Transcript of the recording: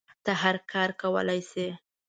ته هر کار کولی شی